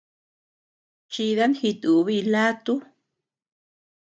Chidan jitubiy laatu.